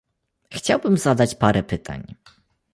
Chciałbym zadać parę pytań